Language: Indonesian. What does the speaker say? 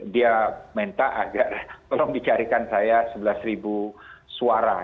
dia minta agar tolong dicarikan saya sebelas ribu suara